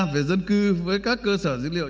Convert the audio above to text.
về dân cư với các cơ sở dữ liệu